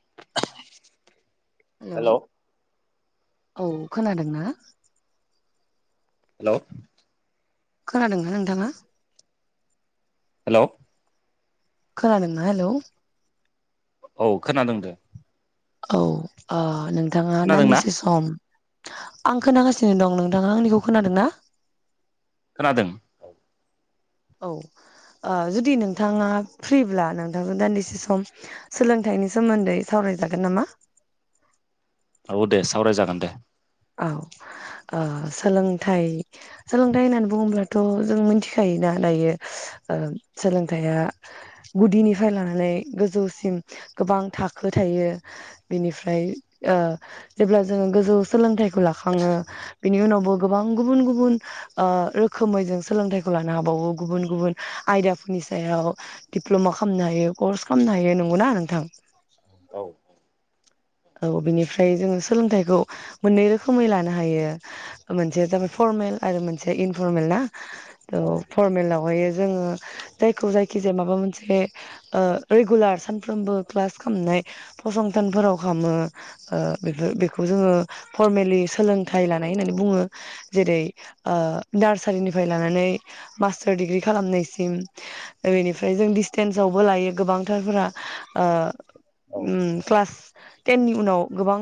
[inaudible] Hello औ खोनादोंना? Hello खोनादोंना नोंथाङा। हेलौ। खोनादों ना हेलौ। औ खोनादों दे। औ आ नों थाङा खोनादोंना दानदिसे सम आं खोनागासिनो दं नोंथाङा आंनिखौ खोनादों ना? खोनादों औ औ ओ जुदि नोंथाङा फ्रिब्ला नोंथांजों दान्दिसे सम सोलोंथाइनि सोमोन्दै सावराय जागोन नामा औ दे सावराय जागोन दे। औ ओ सोलोंथाइ-सोलोंथाइ होननानै बुङोब्लथ' जों मिथिखायोना दायो ओ सोलोंथाइया गुदिनिफ्राय लानानै गोजौसिम गोबां थाखो थायो बिनिफ्राय ओ जेब्ला जोङो गोजौ सोलोंथाइखौ लाखाङो बिनि उनावबो गोबां गुबुन-गुबुन ओ रोखोमै जों सोलोंथाइखौ लानो हाबावो गुबुन-गुबुन आयदाफोरनि सायाव दिप्ल'मा खामनो हायो कर्स खामनो हायो नंगौना नोंथां। औ औ बिनिफ्राय जोङो सोलोंथाइखौ मोननै रोखोमै लानो हायो मोनसेया जाबाय फरमेल आरो मोनसे इनफरमेल ना। थ औ फरमेलाव‌ हायो जोङो जायखौ जायखि जाया माबा मोनसे ओ रेगुलार सानफ्रोमबो क्लास खामनाय फसंथानफोराव खामो बेफोर बेखौ जोङो फरमेलि सोलोंथाइ लानाय होननानै बुङो जेरै नार्सारिनिफ्राय लानानै मास्टार दिडिग्रि खालामनायसिम बेनिफ्राय जों डिसटेन्स आवबो लायो गोबांथारफोरा ओ औ ओम क्लास टेननि उनाव गोबां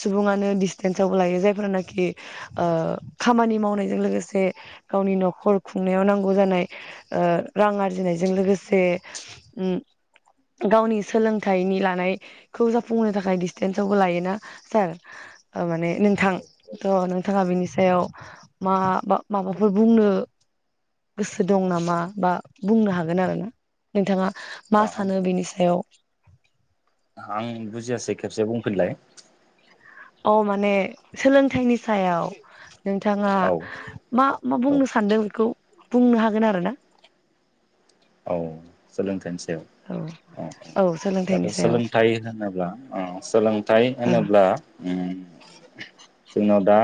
सुबुङानो दिस्टेन्सआवबो लायो जायफोरानाखि ओ खामानि मावनायजों लोगोसे गावनि न'खर खुंनायाव नांगौ जानाय ओ रां आरजिनायजों लोगोसे उ गावनि सोलोंथाइनि लानायखौ जा फुंनो थाखाय दिस्टेन्सआवबो लायोना सार माने नोंथां औ थ' नोंथाङा बिनि सायाव मा बा माबाफोर बुंनो गोसो दं नामा बा बुंनो हागोन आरो ना नोंथाङा मा औ आं सानो बिनि सायाव आं बुजियासै। खेबसे बुंफिनलाय। अ माने सोलोंथाइनि सायाव। नोंथाङा औ मा-मा औ बुंनो सानदों बेखौ। बुंनो हागोन आरो ना औ सोलोंथाइनि सा औ औ सोलोंथाइनि दाथ' सायाव सोलोंथाइ होनोब्ला औ सोलोंथाइ ओ होनोब्ला ओम जोंनाव दा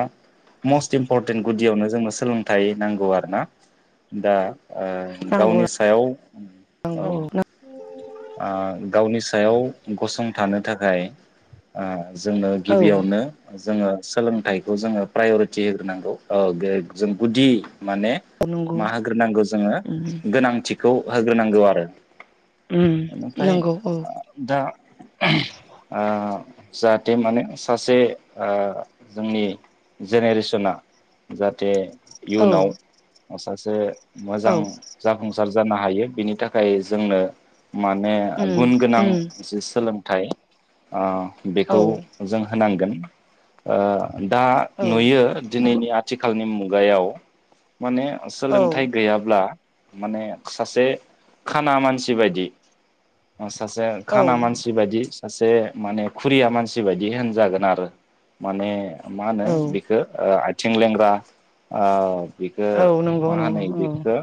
मस्ट इम्परटेन्ट गुदियावनो जोंनो सोलोंथाइ नांगौ आरोना दा ओ नांगौ गावनि सायाव औ नांगौ ओ गावनि सायाव गसंथानो थाखाय जोंनो औ गिबियावनो जोङो सोलोंथाइखौ जोङो प्राय'रिटि होग्रोनांगौ जों गुदि माने औ नंगौ मा होग्रोनांगौ जोङो उम गोनांथिखौ होग्रोनांगौ आरो उम ओमफ्राय नंगौ औ दा आ जाहाथे माने सासे ओ जोंनि जेनेरेसना जाहाथे औ इउनाव सासे मोजां औ जाफुंसार जानो हायो बिनि थाखाय जोंनो माने उम गुन गोनां उम जि सोलोंथाइ औ बेखौ औ जों होनांगोन ओ दा औ नुयो दिनैनि आथिखालनि मुगायाव माने औ सोलोंथाइ गैयाब्ला माने सासे खाना मानसि बायदि सासे औ खाना मानसि बायदि सासे माने खुरिया मानसि बायदि होनजागोन आरो माने मा होनो औ बिखौ ओ थिं लेंग्रा ओ बेखौ औ नंगौ मा नंगौ होनो औ बेखौ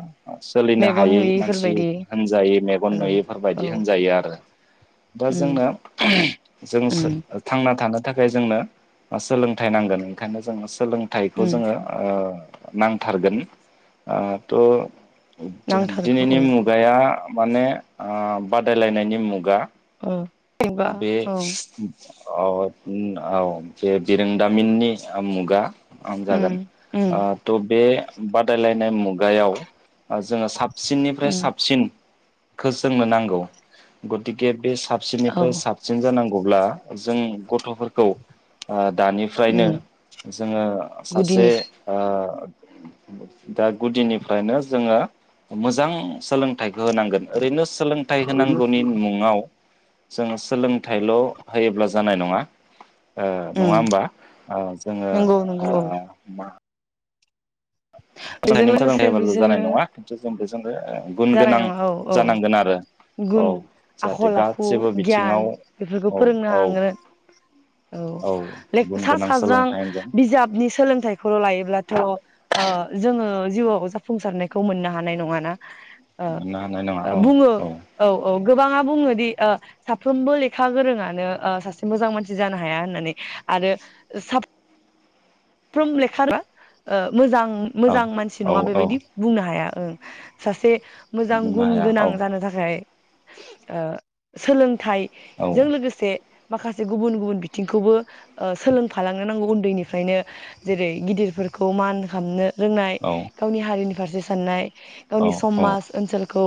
सोलिनो मेगन हायै मानसि नुयैफोरबायदि होनजायै मेगन औ नुयै औ बायदि होनायो आरो दा उम जोंनो जों उम थानो थाखाय जोंनो सोलोंथ नांगोन ओंखायनो जों सोलोंथाइखौ उम जोङो ओ नांथारगोन ओ थ' नांथारगौ दिनैनि औ मुगाया माने ओ बादायलायनायनि मुगा [unintelligible] बे औ औ-औ बे बिरोंदामिननि मुगा आं उम जागोन। उम ओ थ' बे बादायलायनाय बे मुगायाव जों साब सिननिफ्राय उम साबसिन खौ सोंनो नांगौ गथिके बे साबसिननि औ फ्राय साबसिन जानांगौ अब्ला जों गथ'फोरखौ आ दानिफ्रायनो उम जोङो सासे गुदिनि ओ दा गुदिनिफ्रायनो जोङो मोजां सोलों थाइखो होनांगोन ओरैनो सोलोंथाइ होनांगौनि मुङाव जों सोलोंथाइल' होयोब्ला जानाय नङा। ओ नङा उम होमबा ओ जोङो नंगौ नंगौ ओ औ मा [unintelligible] बेजों लोगोसे सोलोंथाइ होबाल' जानाय बिसोरनो नङा खिन्थु बे जानाय नङा औ-औ आरो औ गुन, जाहाथे आखल-आखु, गासैबो गियान बिथिङाव बेफोरखौ औ फोरोंनो औ हांनांगोन औ गुन सा गोनां साज्रां सोलोंथाइजों बिजाबनि सोलोंथाइखौल' लायोब्लाथ' ओ जोङो जिउआव जाफुंसारनायखौ मोननो हानाय नङाना। मोननो हानाय नङा ओ-ओ औ बुङो औ-औ गोबाङा बुङोदि ओ साफ्रोमबो लेखा गोरोंङानो ओ सासे मोजां मानसि जानो हाया होननानै आरो साब फ्रोम लेखा [unintelligible] ओ औ मोजां-मोजां मानसि औ नङा औ बेबायदि बुंनो हाया। ओ सासे मोजां बुंनो गुन हाया औ गोनां जानो थाखाय ओ सोलों थाइ औ जों लोगोसे माखासे गुबुन गुबुन बिथिंखौबो ओ सोलोंफालांनो नांगौ उन्दैनिफ्रायनो जेरै गिदिरफोरखौ मान खामनो रोंनाय औ गावनि हारिनि फारसे साननाय औ गावनि समाज ओनसोलखौ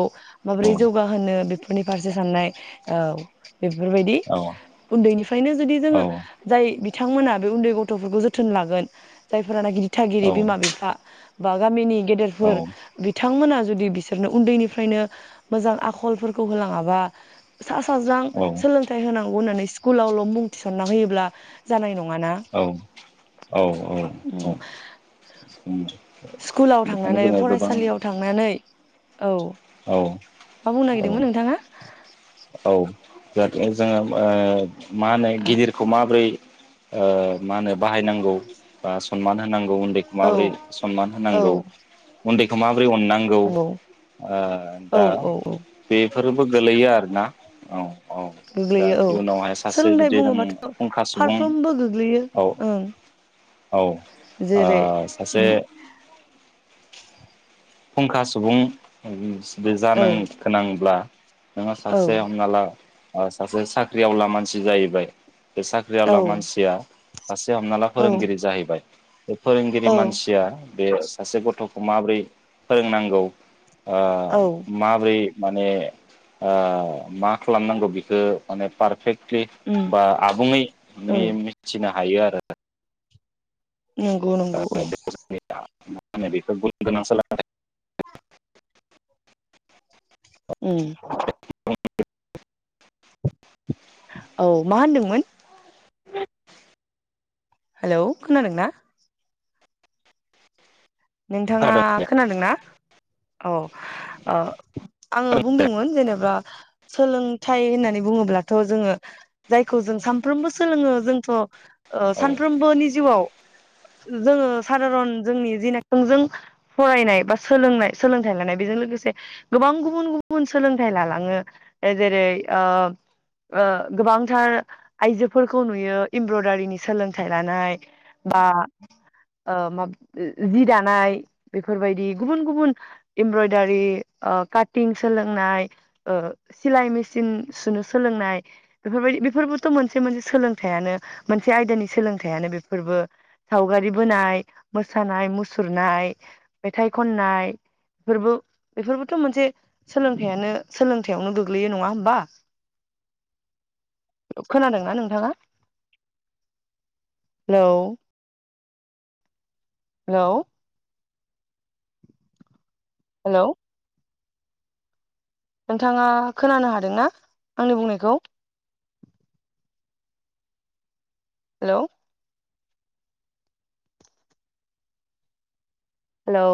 औ माबोरै जौगाहोनो बे नि फारसे साननाय औ। बेफोरबायदि उन्दैनिफ्रायनो जुदि जोङो जाय बि थांमोना बे उन्दै गथ'फोरखौ जोथोन थोन लागोन जायफोर गि दिथागिरि औ औ बिमा बिफा बागामिनि गेदेरफोर बिथांमोना जुदि बिसोरनो उन्दैनिफ्रायनो मोजां आखलफोरखौ होलाङाबा सा साज्रां सोलोंथाइ होनांगौ होननानै। स्कुलावल' मुं थिसनना होयोब्ला जानाय नङ माना औ औ औ स्कुलाव थांनानै फरायसालियाव थांनानै। औ औ मा बुंनो औ नागिरदोंमोन नोंथाङा । औ जाहाथे जोङो मा होनो गिदिरखौ माबोरै मा होनो बाहायनांगौ बा सनमान होन होनांगौ उन्दैखौ औ माबोरै सनमान औ होनांगौ। उन्दैखौ माब्रै अननांगौ। नंगौ ओ औ दा औ औ बे बेफोरजोंबो गोलैयो आरोना औ। औ दा गोग्लैयो औ इयुनावहाय सासे सोलोंथाइ जुदि नों बुङोबाथ' फुंखा सुबुं फारफ्रोमबो गोग्लैयो औ ओं औ ओ जेरै सासे फुंखा सुबुं औ जानोगोनांब्ला नोङो औ सासे हमना ला सासे साख्रिआवला मानसि जाहैबाय बे साख्रि औ आला मानसिया सासे हमना ला औ फोरोंगिरि जाहैबाय । बे फोरोंगिरि औ मानसिया बे सासे गथ' माब्रै फोरोंनांगौ। ओ औ माब्रै माने ओ मा खालामनांगौ बेखौ माने पारफेक्ट दे उम बा आबुङै औ मि-मिथिना हायो आरो। नोंगौ नोंगौ औ। माहोनो बेखौ गुनगोनां सोलोंथाइ उम। [unintelligible] औ मा होनदोंमोन? [unintelligible] हेलौ खोनादोंना? नोंथाङा खोनादों खोनादोंना? औ ओ आङो बुंदोंमोन जेनेबा सोलोंथाइ होननानै बुङोब्लाथ' जोङो जायखौ जों सानफ्रोमबो सोलोङो जोंथ' ओ औ सानफ्रोमबोनि जिउआव जोङो सधारन जोंनि जिनाखि थोजों फरायनाय बा सोलोंनाय सोलोंथाइ लानाय बेजों लोगोसे गोबां गुबुन गुबुन सोलोंथाइ लालाङो। जेरै ओ ओ गोबांथार आइजोफोरखौ नुयो इमब्रदारिनि सोलोंथाइ लानाय बा ओ माब जि दा नाय बेफोरबायदि गुबन गुबन एमब्रदारि ओ खाथिं सोलोंनाय ओ सिलाय मेसिन सुनो सोलोंनाय बेरबायदि बेफोरबोथ' मोनसे मोनसे सोलोंथायानो मोनसे आयदानि सोलोंथायानो बेफोरबो सावगारि बोनाय मोसानाय मुसु सुरनाय मेथाइ खननायफोरबो बेफोरबोथ' मोनसे सोलोंथयानो सोलोंथायाइयावनो गोग्लैयो नङा होमबा? खोनादोंना नोंथाङा? हेलौ। हेलौ। हेलौ। नोंथाङा खोनानो हादोंना आंनि बुंनायखौ? हेलौ। हेलौ।